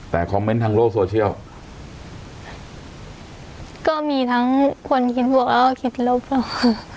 แต่คอมเมนต์ทางโลกโซเชียลก็มีทั้งคนคิดบวกแล้วก็คิดโลภัวค่ะ